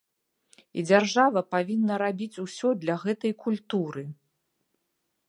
І дзяржава павінна рабіць усё для гэтай культуры.